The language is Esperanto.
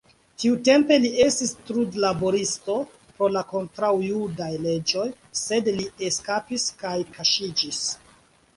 Tiutempe li estis trudlaboristo pro la kontraŭjudaj leĝoj, sed li eskapis kaj kaŝiĝis.